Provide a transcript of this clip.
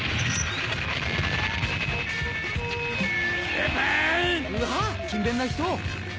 うわっ勤勉な人！